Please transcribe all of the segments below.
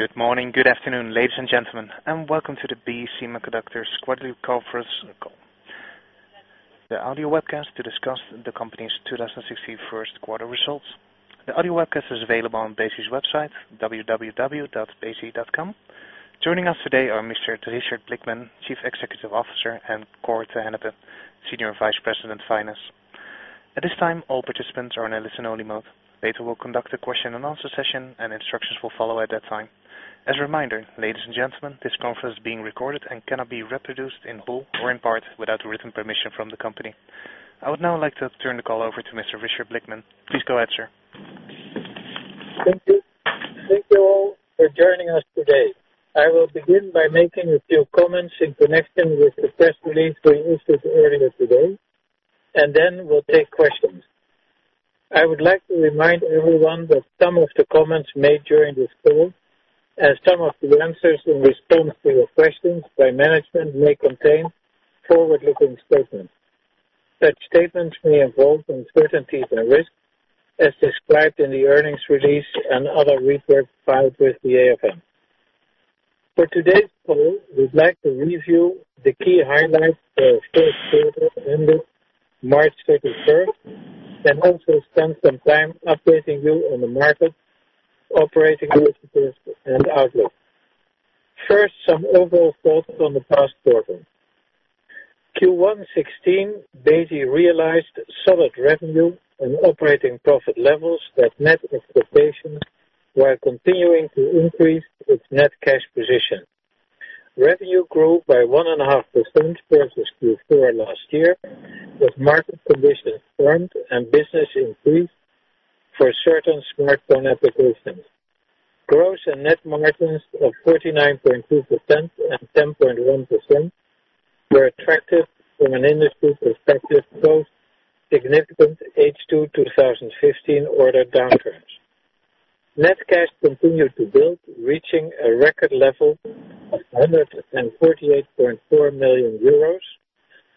Good morning. Good afternoon, ladies and gentlemen, and welcome to the BE Semiconductor Industries quarterly conference call. The audio webcast to discuss the company's 2016 first quarter results. The audio webcast is available on Besi's website, www.besi.com. Joining us today are Mr. Richard Blickman, Chief Executive Officer, and Cor te Hennepe, Senior Vice President, Finance. At this time, all participants are in a listen-only mode. Later, we'll conduct a question-and-answer session, and instructions will follow at that time. As a reminder, ladies and gentlemen, this conference is being recorded and cannot be reproduced in whole or in part without written permission from the company. I would now like to turn the call over to Mr. Richard Blickman. Please go ahead, sir. Thank you. Thank you all for joining us today. I will begin by making a few comments in connection with the press release we issued earlier today, and then we'll take questions. I would like to remind everyone that some of the comments made during this call and some of the answers in response to your questions by management may contain forward-looking statements. Such statements may involve uncertainties and risks as described in the earnings release and other reports filed with the AFM. For today's call, we'd like to review the key highlights of first quarter ended March 31st, and also spend some time updating you on the market operating and outlook. First, some overall thoughts on the past quarter. Q1 2016, Besi realized solid revenue and operating profit levels that met expectations, while continuing to increase its net cash position. Revenue grew by 1.5% versus Q4 last year, with market conditions firming and business increased for certain smartphone applications. Gross and net margins of 49.2% and 10.1% were attractive from an industry perspective, post significant H2 2015 order downturns. Net cash continued to build, reaching a record level of 148.4 million euros.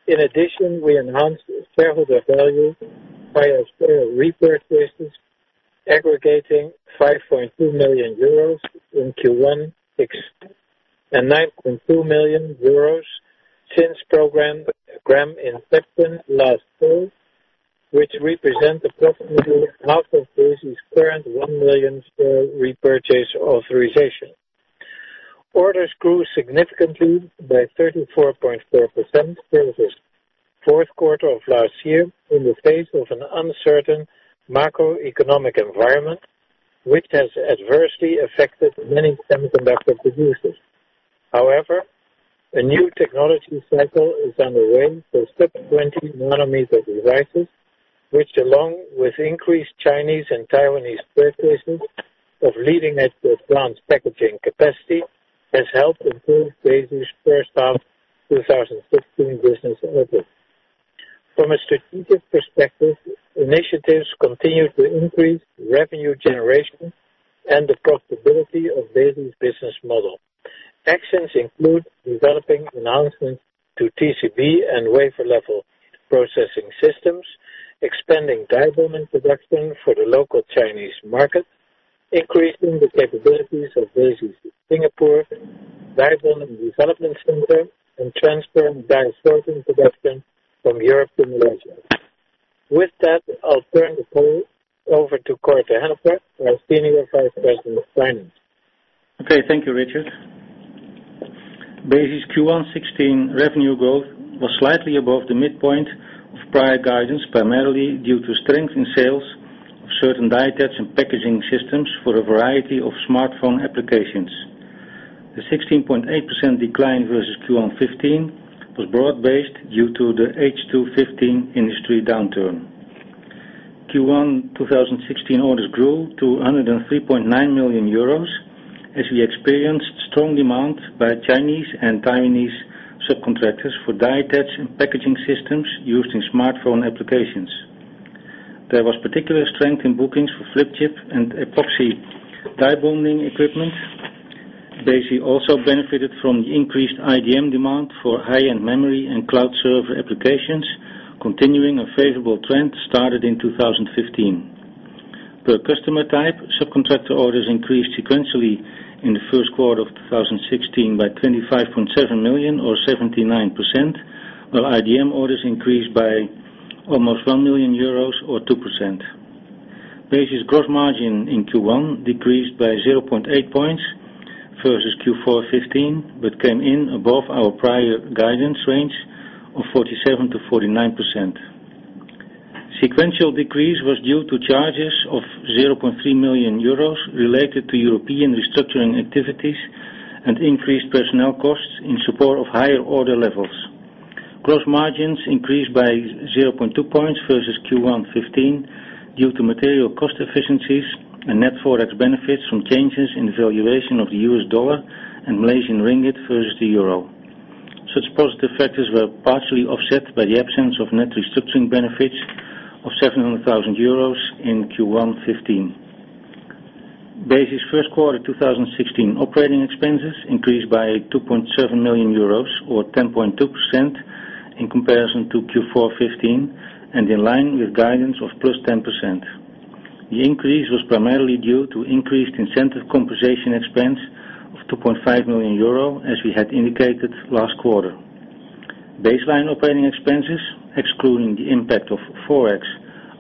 In addition, we enhanced shareholder value via share repurchase aggregating 5.2 million euros in Q1 2016, and 9.2 million euros since program inception last fall, which represent approximately half of Besi's current 1 million share repurchase authorization. Orders grew significantly by 34.4% versus fourth quarter of last year in the face of an uncertain macroeconomic environment, which has adversely affected many semiconductor producers. However, a new technology cycle is underway for sub-20 nanometer devices, which, along with increased Chinese and Taiwanese purchases of leading-edge advanced packaging capacity, has helped improve Besi's first half 2016 business outlook. From a strategic perspective, initiatives continued to increase revenue generation and the profitability of Besi's business model. Actions include developing enhancements to TCB and wafer level processing systems, expanding die bonding production for the local Chinese market, increasing the capabilities of Besi's Singapore die bonding development center, and transferring die sorting production from Europe to Malaysia. With that, I'll turn the call over to Cor te Hennepe, our Senior Vice President of Finance. Okay. Thank you, Richard. Besi's Q1 2016 revenue growth was slightly above the midpoint of prior guidance, primarily due to strength in sales of certain die attach and packaging systems for a variety of smartphone applications. The 16.8% decline versus Q1 2015 was broad-based due to the H2 2015 industry downturn. Q1 2016 orders grew to 103.9 million euros as we experienced strong demand by Chinese and Taiwanese subcontractors for die attach and packaging systems used in smartphone applications. There was particular strength in bookings for flip chip and epoxy die bonding equipment. Besi also benefited from the increased IDM demand for high-end memory and cloud server applications, continuing a favorable trend started in 2015. Per customer type, subcontractor orders increased sequentially in the first quarter of 2016 by 25.7 million or 79%, while IDM orders increased by almost 1 million euros or 2%. Besi's gross margin in Q1 decreased by 0.8 points versus Q4 2015, but came in above our prior guidance range of 47%-49%. The sequential decrease was due to charges of 0.3 million euros related to European restructuring activities and increased personnel costs in support of higher order levels. Gross margins increased by 0.2 points versus Q1 2015 due to material cost efficiencies and net forex benefits from changes in valuation of the US dollar and Malaysian ringgit versus the euro. Such positive factors were partially offset by the absence of net restructuring benefits of 700,000 euros in Q1 2015. Besi's first quarter 2016 operating expenses increased by 2.7 million euros or 10.2% in comparison to Q4 2015 and in line with guidance of plus 10%. The increase was primarily due to increased incentive compensation expense of 2.5 million euro, as we had indicated last quarter. Baseline operating expenses, excluding the impact of Forex,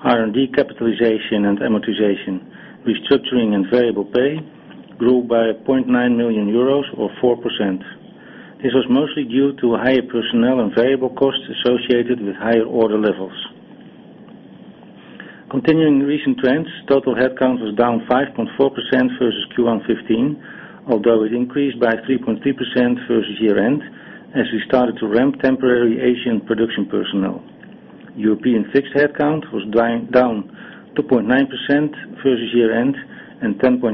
R&D capitalization and amortization, restructuring and variable pay, grew by 0.9 million euros or 4%. This was mostly due to higher personnel and variable costs associated with higher order levels. Continuing recent trends, total headcount was down 5.4% versus Q1 2015, although it increased by 3.3% versus year-end, as we started to ramp temporary Asian production personnel. European fixed headcount was down 2.9% versus year-end and 10.7%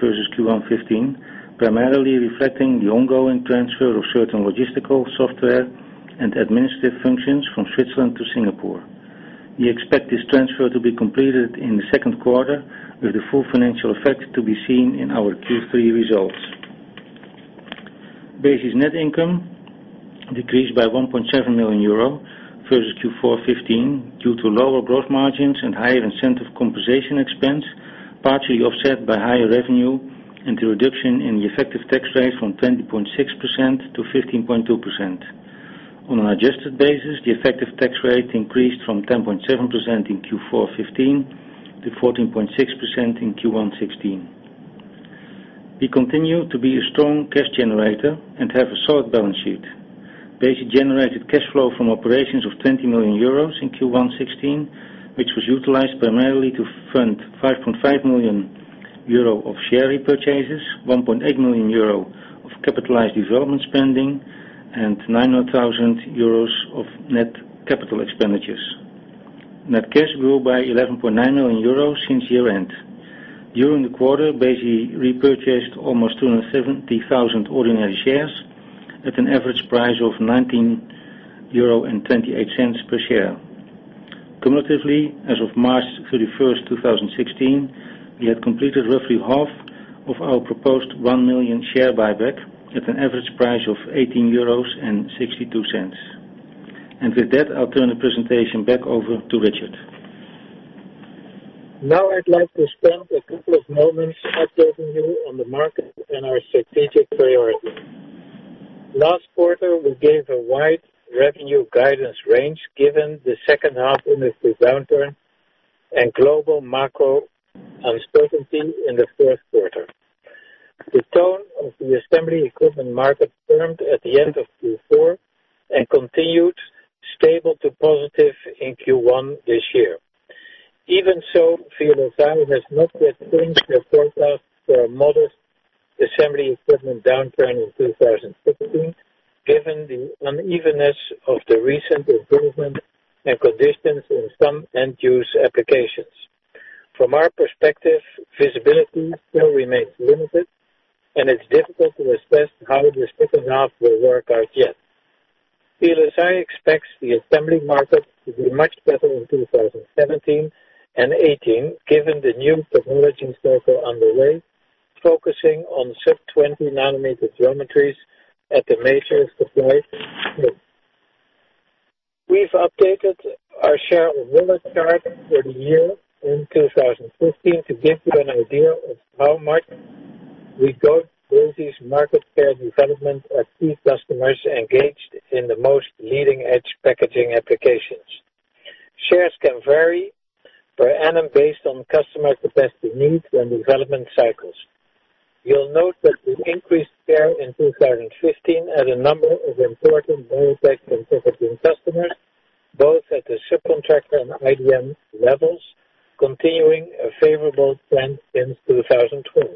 versus Q1 2015, primarily reflecting the ongoing transfer of certain logistical, software, and administrative functions from Switzerland to Singapore. We expect this transfer to be completed in the second quarter, with the full financial effect to be seen in our Q3 results. Besi net income decreased by 1.7 million euro versus Q4 2015 due to lower gross margins and higher incentive compensation expense, partially offset by higher revenue and the reduction in the effective tax rate from 20.6% to 15.2%. On an adjusted basis, the effective tax rate increased from 10.7% in Q4 2015 to 14.6% in Q1 2016. We continue to be a strong cash generator and have a solid balance sheet. Besi generated cash flow from operations of 20 million euros in Q1 2016, which was utilized primarily to fund 5.5 million euro of share repurchases, 1.8 million euro of capitalized development spending, and 900,000 euros of net capital expenditures. Net cash grew by 11.9 million euros since year-end. During the quarter, Besi repurchased almost 270,000 ordinary shares at an average price of 19.28 euro per share. Cumulatively, as of March 31st 2016, we had completed roughly half of our proposed 1 million share buyback at an average price of 18.62 euros. With that, I'll turn the presentation back over to Richard. Now I'd like to spend a couple of moments updating you on the market and our strategic priorities. Last quarter, we gave a wide revenue guidance range given the second half industry downturn and global macro uncertainty in the first quarter. The tone of the assembly equipment market firmed at the end of Q4 and continued stable to positive in Q1 this year. Even so, VLSI has not yet changed their forecast for a modest assembly equipment downturn in 2016, given the unevenness of the recent improvement and conditions in some end-use applications. From our perspective, visibility still remains limited, and it's difficult to assess how the second half will work out yet. VLSI expects the assembly market to do much better in 2017 and 2018, given the new technology circle underway, focusing on sub-20 nanometer geometries at the major supply. We've updated our share of wallet chart for the year in 2015 to give you an idea of how market we go, those whose market share development are key customers engaged in the most leading-edge packaging applications. Shares can vary per annum based on customer capacity needs and development cycles. You'll note that we increased share in 2015 at a number of important die attach and packaging customers, both at the subcontractor and IDM levels, continuing a favorable trend since 2012.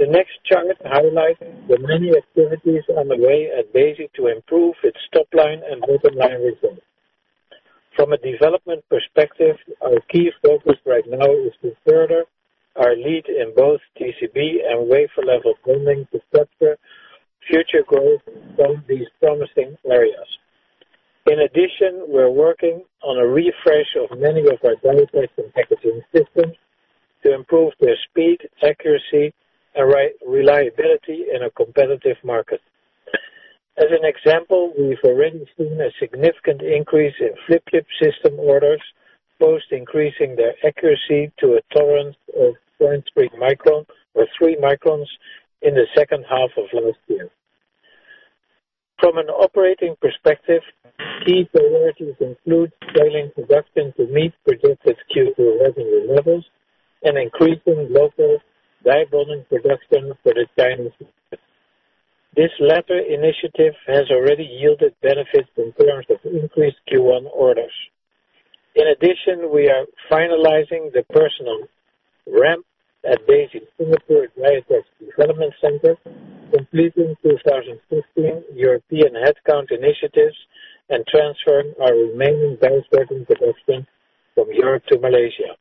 The next chart highlights the many activities on the way at Besi to improve its top-line and bottom-line results. From a development perspective, our key focus right now is to further our lead in both TCB and wafer level packaging to capture future growth from these promising areas. In addition, we're working on a refresh of many of our die attach and packaging systems to improve their speed, accuracy, and reliability in a competitive market. As an example, we've already seen a significant increase in flip chip system orders, both increasing their accuracy to a tolerance of 0.3 micron or three microns in the second half of last year. From an operating perspective, key priorities include scaling production to meet projected Q2 revenue levels and increasing local die bonding production for the Chinese. This latter initiative has already yielded benefits in terms of increased Q1 orders. In addition, we are finalizing the personnel ramp at Besi Singapore die attach development center, completing 2015 European headcount initiatives, and transferring our remaining die attach production from Europe to Malaysia.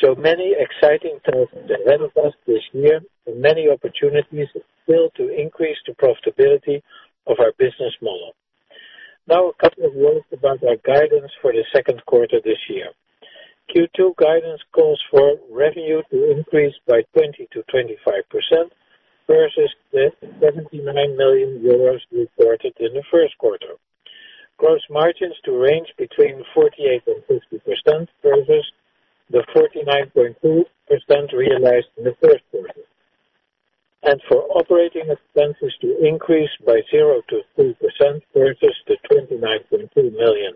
Many exciting times ahead of us this year, and many opportunities still to increase the profitability of our business model. A couple of words about our guidance for the second quarter this year. Q2 guidance calls for revenue to increase by 20%-25% versus the 79 million euros reported in the first quarter. Gross margins to range between 48% and 50% versus the 49.2% realized in the first quarter. For operating expenses to increase by 0%-3% versus the 29.2 million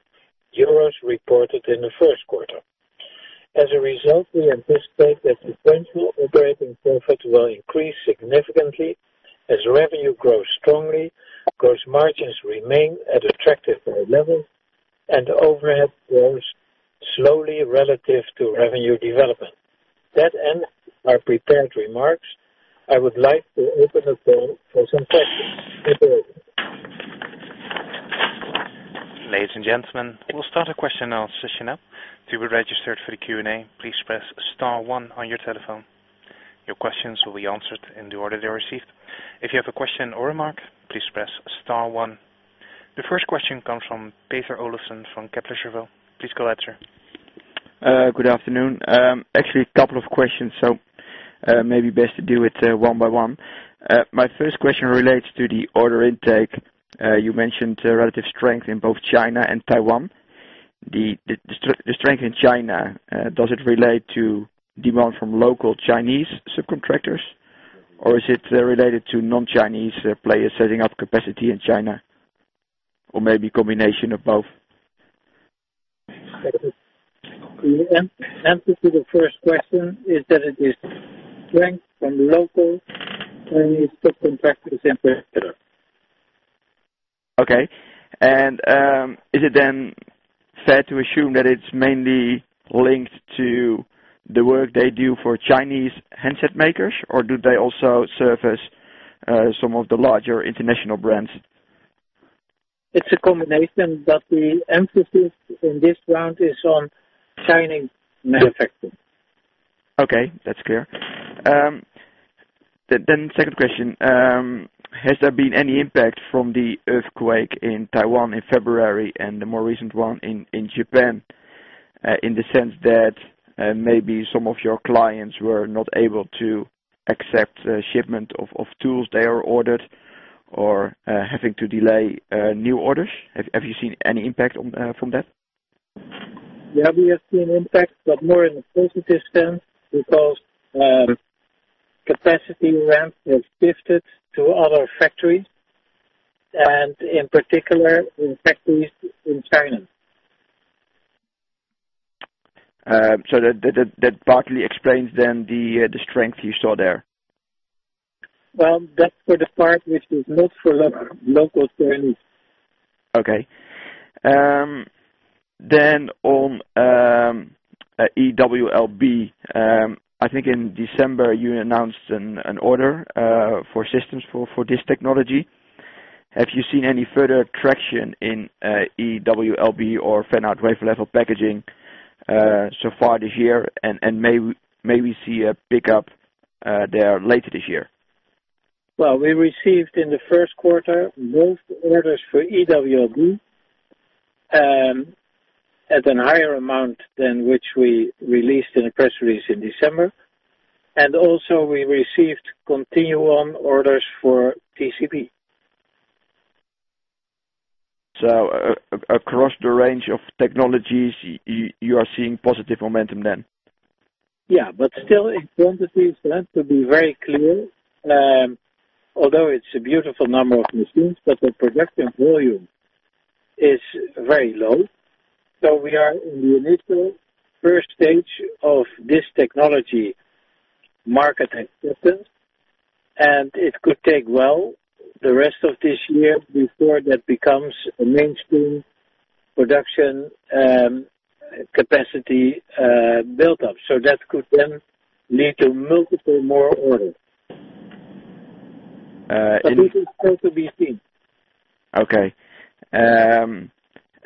euros reported in the first quarter. As a result, we anticipate that the financial operating profit will increase significantly as revenue grows strongly, gross margins remain at attractive levels, and overhead grows slowly relative to revenue development. That ends my prepared remarks. I would like to open the floor for some questions. Over to you. Ladies and gentlemen, we'll start the question and answer session now. To be registered for the Q&A, please press star one on your telephone. Your questions will be answered in the order they are received. If you have a question or remark, please press star one. The first question comes from Peter Olofsen from Kepler Cheuvreux. Please go ahead, sir. Good afternoon. Actually, a couple of questions, maybe best to do it one by one. My first question relates to the order intake. You mentioned relative strength in both China and Taiwan. The strength in China, does it relate to demand from local Chinese subcontractors, or is it related to non-Chinese players setting up capacity in China, or maybe a combination of both? The answer to the first question is that it is strength from local Chinese subcontractors in China. Okay. Is it then fair to assume that it's mainly linked to the work they do for Chinese handset makers, or do they also service some of the larger international brands? It's a combination, but the emphasis in this round is on Chinese manufacturing. Okay, that's clear. Second question. Has there been any impact from the earthquake in Taiwan in February and the more recent one in Japan, in the sense that maybe some of your clients were not able to accept shipment of tools they have ordered or having to delay new orders? Have you seen any impact from that? Yeah, we have seen impact, but more in a positive sense because capacity ramp was shifted to other factories and in particular in factories in China. That partly explains then the strength you saw there. Well, that's for the part which is not for local Chinese. Okay. On eWLB, I think in December you announced an order for systems for this technology. Have you seen any further traction in eWLB or fan-out wafer level packaging so far this year? May we see a pickup there later this year? Well, we received in the first quarter both orders for eWLB, at a higher amount than which we released in the press release in December. Also we received continuing orders for TCB. Across the range of technologies, you are seeing positive momentum then? Still in quantities that, to be very clear, although it's a beautiful number of machines, the production volume is very low. We are in the initial 1st stage of this technology market acceptance, it could take well the rest of this year before that becomes a mainstream production capacity buildup. That could then lead to multiple more orders. This is yet to be seen. Okay.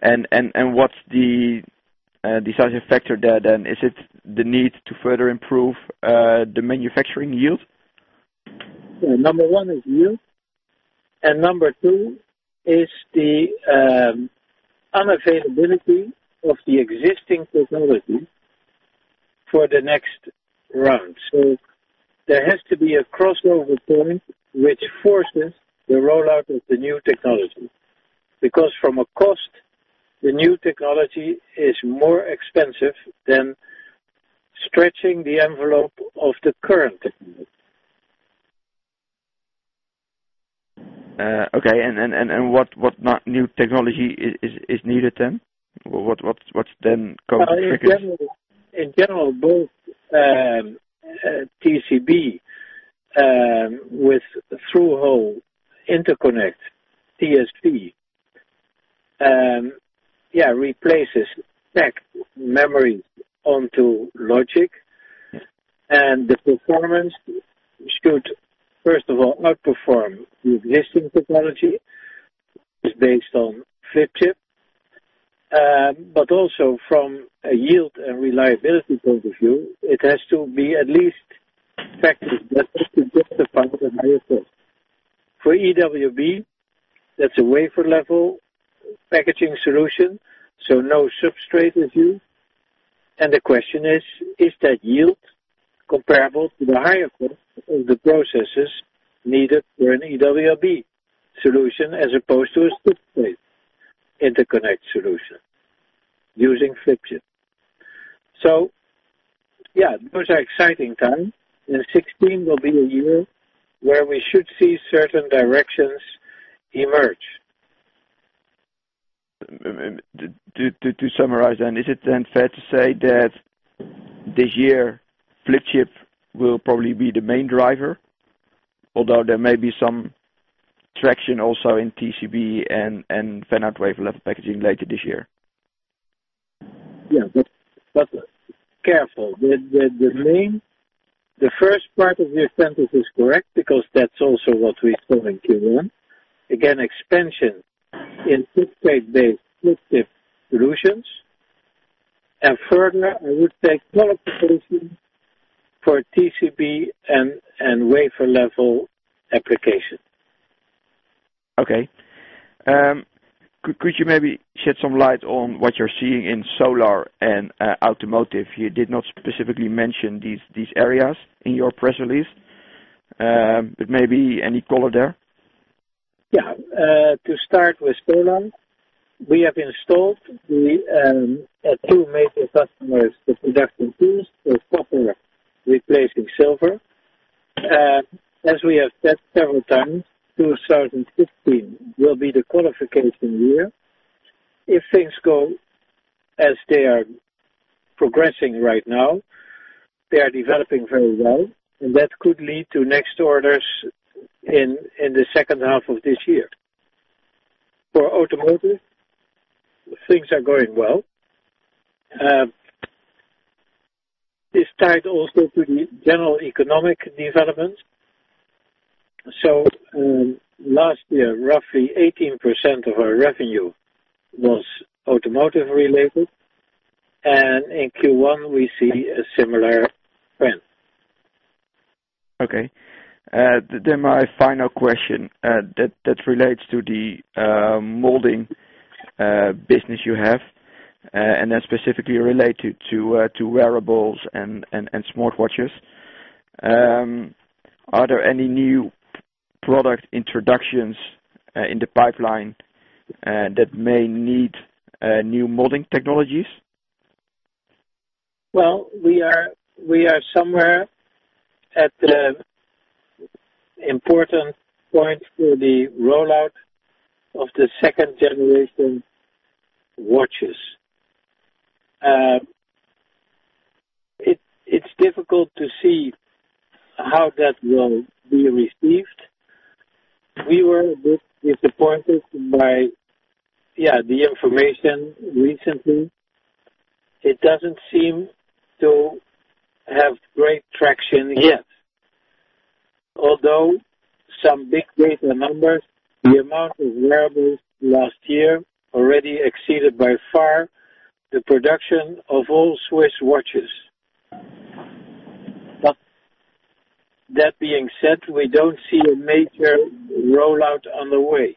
What's the decisive factor there then? Is it the need to further improve the manufacturing yield? Number 1 is yield, number 2 is the unavailability of the existing technology for the next round. There has to be a crossover point which forces the rollout of the new technology, because from a cost, the new technology is more expensive than stretching the envelope of the current technology. Okay. What new technology is needed then? In general, both TCB, with through-silicon via, TSV, replaces stacked memory onto logic, and the performance should, first of all, outperform the existing technology. It is based on flip chip. Also from a yield and reliability point of view, it has to be at least factor, but that is to justify the higher cost. For eWLB, that is a wafer level packaging solution, so no substrate is used. The question is that yield comparable to the higher cost of the processes needed for an eWLB solution as opposed to a substrate interconnect solution using flip chip? Yeah, those are exciting times, and 2016 will be a year where we should see certain directions emerge. To summarize then, is it then fair to say that this year flip chip will probably be the main driver, although there may be some traction also in TCB and fan-out wafer level packaging later this year? Yeah. Careful. The first part of the sentence is correct because that is also what we saw in Q1. Again, expansion in substrate-based flip chip solutions, and further, I would say qualification for TCB and wafer level application. Okay. Could you maybe shed some light on what you're seeing in solar and automotive? You did not specifically mention these areas in your press release. Maybe any color there? Yeah. To start with solar, we have installed at two major customers the production tools, so copper replacing silver. As we have said several times, 2015 will be the qualification year. If things go as they are progressing right now, they are developing very well, that could lead to next orders in the second half of this year. For automotive, things are going well. It's tied also to the general economic development. Last year, roughly 18% of our revenue was automotive-related. In Q1, we see a similar trend. Okay. My final question that relates to the molding business you have, that's specifically related to wearables and smartwatches. Are there any new product introductions in the pipeline that may need new molding technologies? Well, we are somewhere at the important point for the rollout of the second-generation watches. It's difficult to see how that will be received. We were a bit disappointed by the information recently. It doesn't seem to have great traction yet, although some big data numbers, the amount of wearables last year already exceeded by far the production of all Swiss watches. That being said, we don't see a major rollout on the way.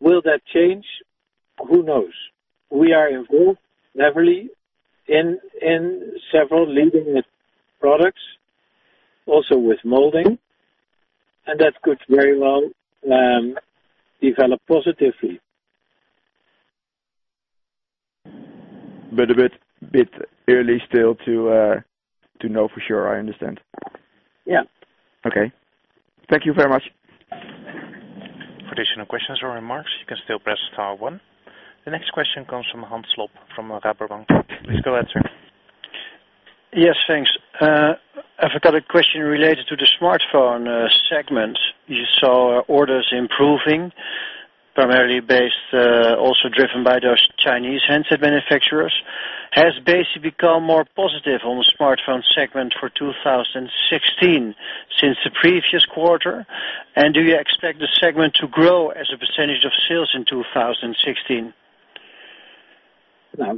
Will that change? Who knows? We are involved heavily in several leading-edge products, also with molding, that could very well develop positively. A bit early still to know for sure, I understand. Yeah. Okay. Thank you very much. For additional questions or remarks, you can still press star one. The next question comes from Hans Slob from Rabobank. Please go ahead, sir. Yes, thanks. I've got a question related to the smartphone segment. You saw orders improving, primarily based, also driven by those Chinese handset manufacturers. Has Besi become more positive on the smartphone segment for 2016 since the previous quarter? Do you expect the segment to grow as a % of sales in 2016?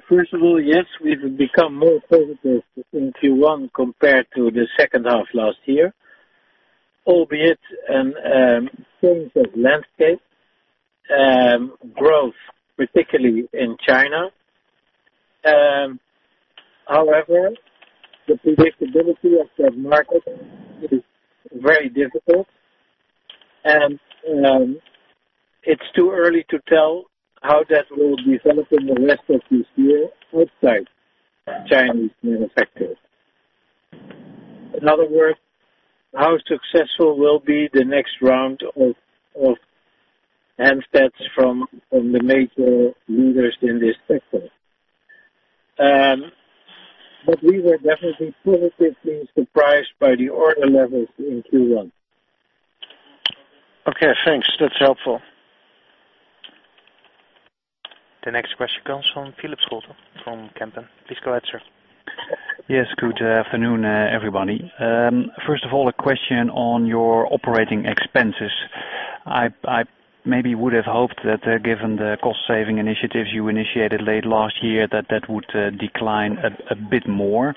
First of all, yes, we've become more positive in Q1 compared to the second half last year, albeit in terms of landscape growth, particularly in China. The predictability of that market is very difficult, and it's too early to tell how that will develop in the rest of this year outside Chinese manufacturers. In other words, how successful will be the next round of handsets from the major leaders in this sector. We were definitely positively surprised by the order levels in Q1. Okay, thanks. That's helpful. The next question comes from Philip Scholten from Kempen. Please go ahead, sir. Yes. Good afternoon, everybody. First of all, a question on your operating expenses. I maybe would have hoped that given the cost-saving initiatives you initiated late last year, that would decline a bit more.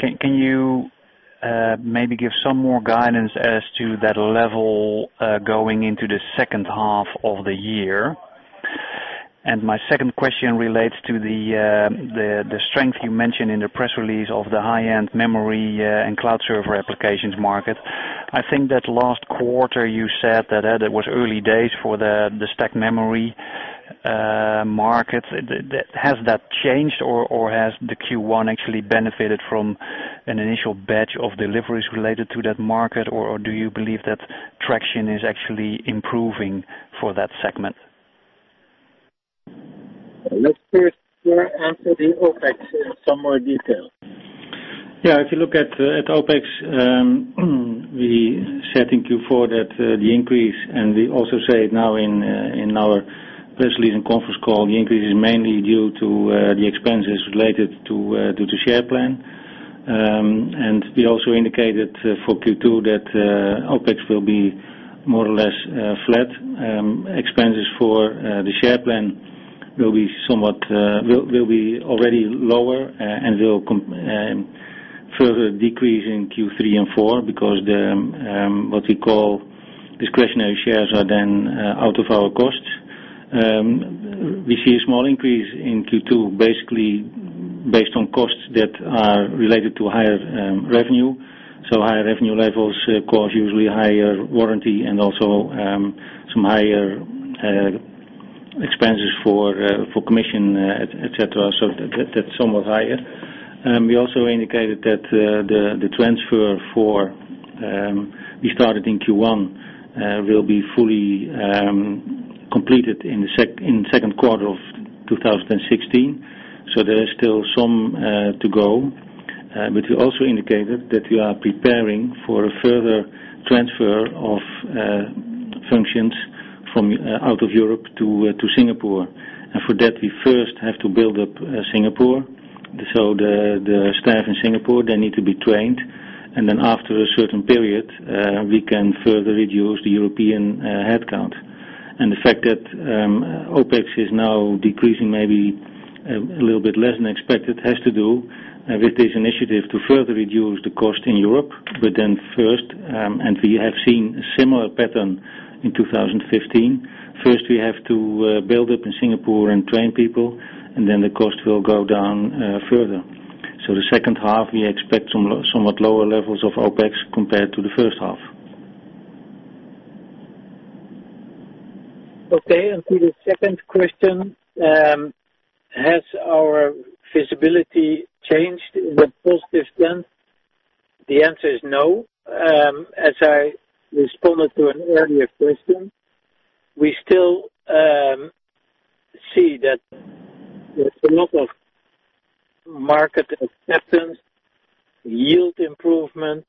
Can you maybe give some more guidance as to that level going into the second half of the year? My second question relates to the strength you mentioned in the press release of the high-end memory and cloud server applications market. I think that last quarter you said that it was early days for the stacked memory market. Has that changed, or has the Q1 actually benefited from an initial batch of deliveries related to that market, or do you believe that traction is actually improving for that segment? Let's first answer the OpEx in some more detail. Yeah, if you look at OpEx, we said in Q4 that the increase, we also say it now in our press release and conference call, the increase is mainly due to the expenses related to the share plan. We also indicated for Q2 that OpEx will be more or less flat. Expenses for the share plan will be already lower and will further decrease in Q3 and four because what we call discretionary shares are then out of our costs. We see a small increase in Q2, basically based on costs that are related to higher revenue. Higher revenue levels cause usually higher warranty and also some higher expenses for commission, et cetera. That's somewhat higher. We also indicated that the transfer we started in Q1 will be fully completed in second quarter of 2016. There is still some to go. We also indicated that we are preparing for a further transfer of functions from out of Europe to Singapore. For that, we first have to build up Singapore. The staff in Singapore, they need to be trained, and then after a certain period, we can further reduce the European headcount. The fact that OpEx is now decreasing maybe a little bit less than expected, has to do with this initiative to further reduce the cost in Europe. We have seen a similar pattern in 2015. First, we have to build up in Singapore and train people, and then the cost will go down further. The second half, we expect somewhat lower levels of OpEx compared to the first half. Okay, to the second question, has our visibility changed in the positive sense? The answer is no. As I responded to an earlier question, we still see that there's a lot of market acceptance, yield improvement.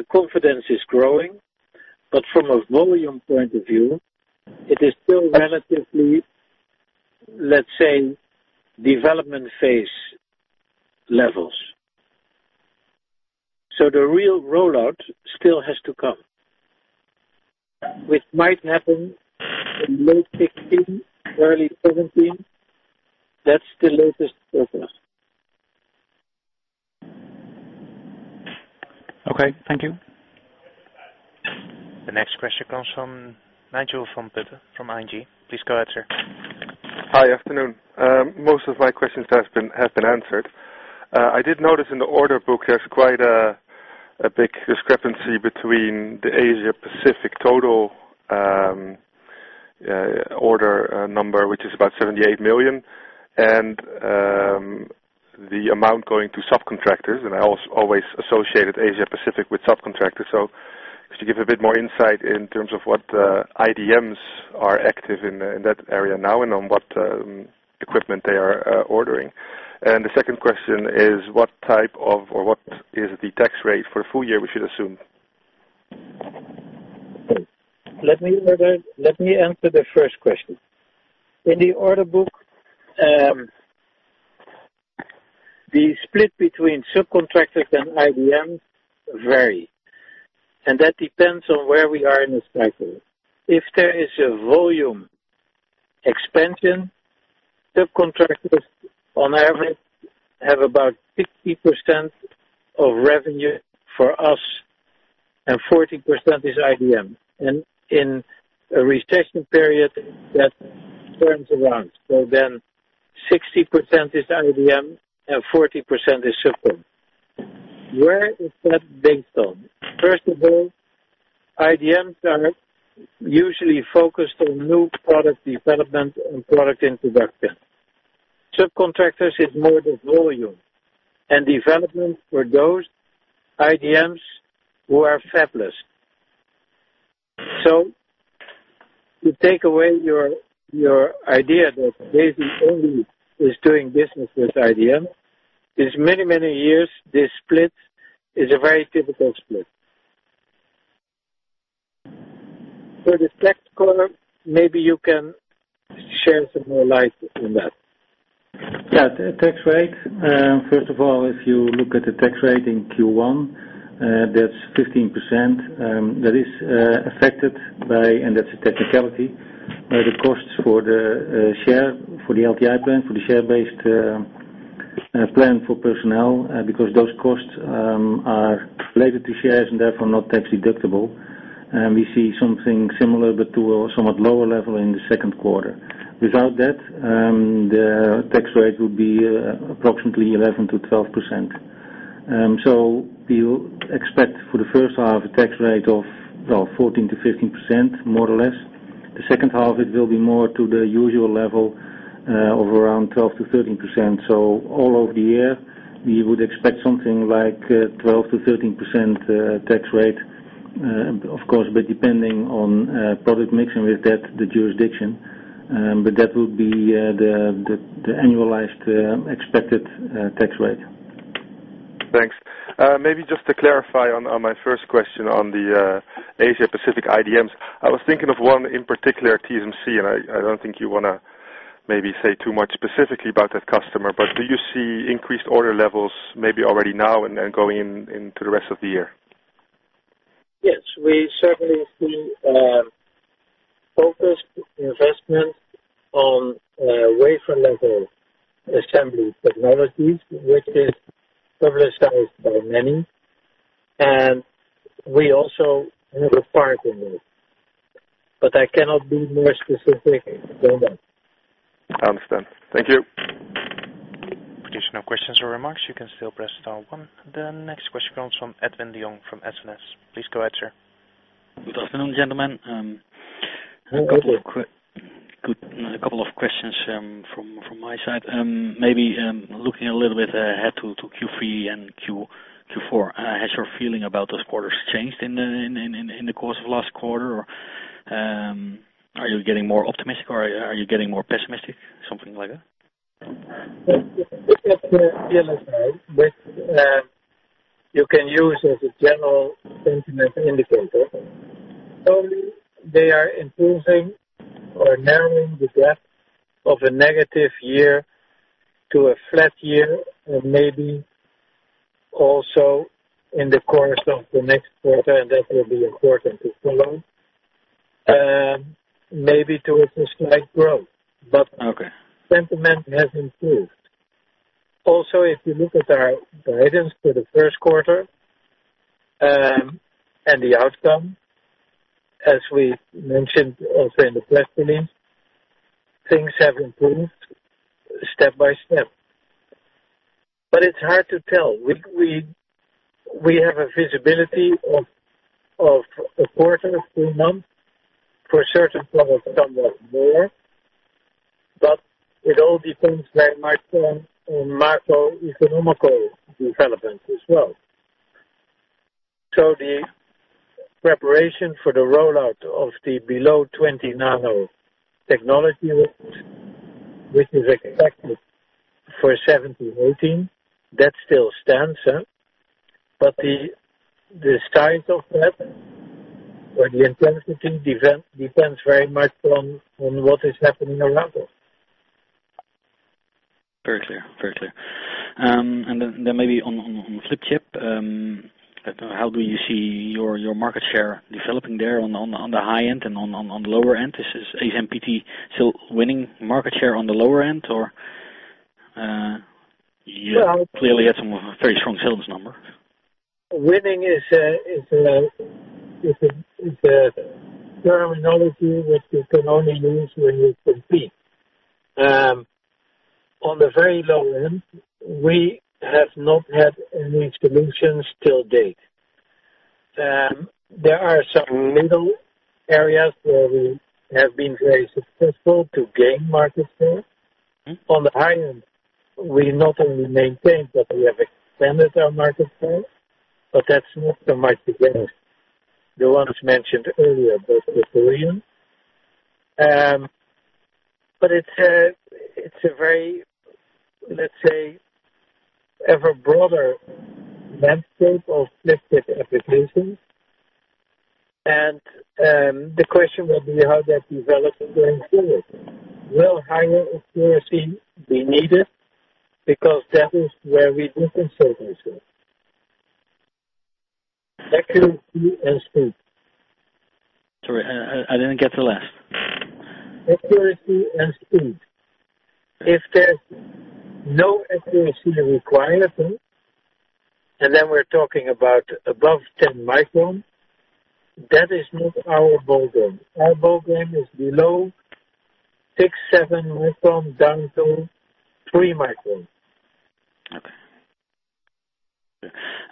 The confidence is growing, but from a volume point of view, it is still relatively, let's say, development phase levels. The real rollout still has to come, which might happen in late 2016, early 2017. That's the latest forecast. Okay. Thank you. The next question comes from Nigel van Putten from ING. Please go ahead, sir. Hi. Afternoon. Most of my questions have been answered. I did notice in the order book there's quite a big discrepancy between the Asia-Pacific total order number, which is about 78 million, and the amount going to subcontractors. I always associated Asia-Pacific with subcontractors. Just to give a bit more insight in terms of what IDMs are active in that area now and on what equipment they are ordering. The second question is, what type of, or what is the tax rate for full year we should assume? Let me answer the first question. In the order book, the split between subcontractors and IDMs vary, and that depends on where we are in the cycle. If there is a volume expansion, subcontractors on average have about 60% of revenue for us and 40% is IDM. In a recession period, that turns around. 60% is IDM and 40% is subcon. Where is that based on? First of all, IDMs are usually focused on new product development and product introduction. Subcontractors is more the volume and development for those IDMs who are fabless. To take away your idea that ASML only is doing business with IDM, it's many, many years, this split is a very typical split. For this tax quarter, maybe you can share some more light on that. Yeah. The tax rate, first of all, if you look at the tax rate in Q1, that's 15%. That is affected by, and that's a technicality, the costs for the share, for the LTI plan, for the share-based plan for personnel, because those costs are related to shares and therefore not tax-deductible. We see something similar, but to a somewhat lower level in the second quarter. Without that, the tax rate would be approximately 11%-12%. We will expect for the first half a tax rate of 14%-15%, more or less. The second half, it will be more to the usual level of around 12%-13%. All over the year, we would expect something like a 12%-13% tax rate, of course, but depending on product mixing with that, the jurisdiction. But that would be the annualized expected tax rate. Thanks. Maybe just to clarify on my first question on the Asia Pacific IDMs, I was thinking of one in particular, TSMC. I don't think you want to maybe say too much specifically about that customer, do you see increased order levels maybe already now and going into the rest of the year? Yes. We certainly see a focused investment on wafer-level assembly technologies, which is publicized by many. We also have a part in it. I cannot be more specific than that. I understand. Thank you. If you wish to ask additional questions or remarks, you can still press star one. The next question comes from Edwin de Jong from SNS. Please go ahead, sir. Good afternoon, gentlemen. Good afternoon. A couple of questions from my side. Maybe looking a little bit ahead to Q3 and Q4, has your feeling about those quarters changed in the course of last quarter, or are you getting more optimistic or are you getting more pessimistic? Something like that. If you look at the VLSI, which you can use as a general sentiment indicator, slowly they are improving or narrowing the gap of a negative year to a flat year, and maybe also in the course of the next quarter, and that will be important to follow. Maybe towards a slight growth. Okay. Sentiment has improved. Also, if you look at our guidance for the first quarter, and the outcome, as we mentioned also in the press release, things have improved step by step. It's hard to tell. We have a visibility of a quarter to a month. For a certain product, somewhat more, but it all depends very much on macro-economical development as well. The preparation for the rollout of the below 20 nanometer technology which is expected for 2017, 2018, that still stands. The size of that or the intensity depends very much on what is happening around us. Very clear. Maybe on flip chip, I don't know, how do you see your market share developing there on the high end and on the lower end? Is ASMPT still winning market share on the lower end, or-- Well- You clearly had some very strong sales numbers winning is a terminology that you can only use when you compete. On the very low end, we have not had any solutions till date. There are some middle areas where we have been very successful to gain market share. On the high end, we not only maintained, but we have expanded our market share, but that's not so much against the ones mentioned earlier, both Korean. It's a very, let's say, ever broader landscape of flip chip applications, and the question will be how that develops going forward. Will higher accuracy be needed? Because that is where we differentiate ourselves. Accuracy and speed. Sorry, I didn't get the last. Accuracy and speed. If there's no accuracy required, and then we're talking about above 10 micron, that is not our ballgame. Our ballgame is below 6, 7 micron down to 3 micron. Okay.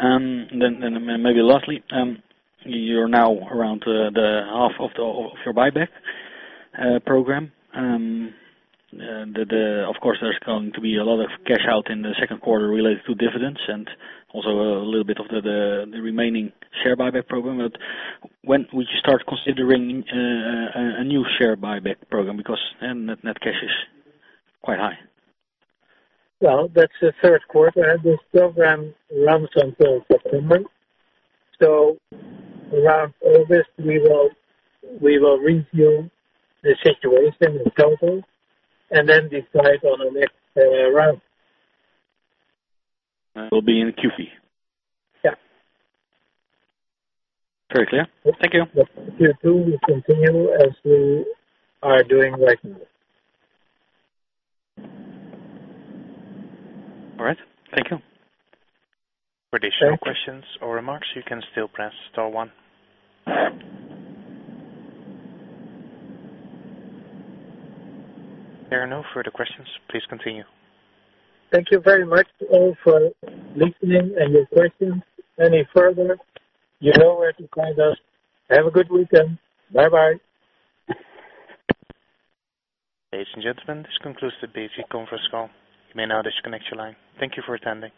Maybe lastly, you're now around the half of your buyback program. Of course, there's going to be a lot of cash out in the second quarter related to dividends and also a little bit of the remaining share buyback program, when would you start considering a new share buyback program? Net cash is quite high. Well, that's the third quarter, and this program runs until September. Around August, we will review the situation in total and then decide on the next round. That will be in Q3. Yeah. Very clear. Thank you. Q2, we continue as we are doing right now. All right. Thank you. For additional questions or remarks, you can still press star one. There are no further questions. Please continue. Thank you very much all for listening and your questions. Any further, you know where to find us. Have a good weekend. Bye-bye. Ladies and gentlemen, this concludes the BE Semiconductor conference call. You may now disconnect your line. Thank you for attending.